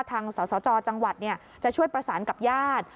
ทางสสจจังหวัดจะช่วยประสานกับญาติ